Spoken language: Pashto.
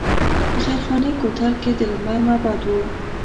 د خیرخانې کوتل کې د لمر معبد و